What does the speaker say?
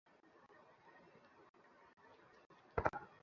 আমার শার্টে গ্রেনেড।